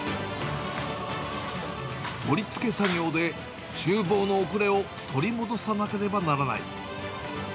盛りつけ作業でちゅう房の遅れを取り戻さなければならない。